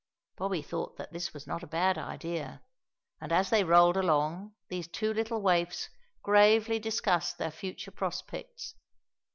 Bobby thought that this was not a bad idea, and as they rolled along these two little waifs gravely discussed their future prospects.